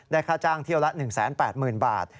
ค่าจ้างเที่ยวละ๑๘๐๐๐บาท